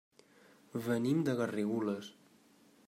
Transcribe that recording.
Venim de Garrigoles.